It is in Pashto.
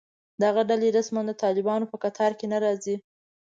دغه ډلې رسماً د طالبانو په کتار کې نه راځي